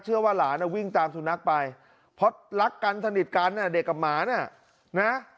เชื่อว่าหลาน่ะวิ่งตามสุนัขไปเพราะรักกันสนิทกันอ่ะเด็กกับหมาน่ะนะ